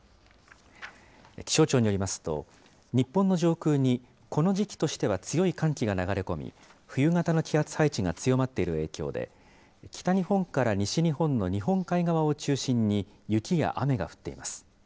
気象庁によりますと、日本の上空にこの時期としては強い寒気が流れ込み、冬型の気圧配置が強まっている影響で、北日本から西日本の日本海側を中心に、雪や雨が降っています。